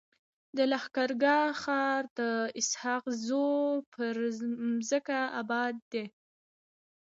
د لښکر ګاه ښار د اسحق زو پر مځکه اباد دی.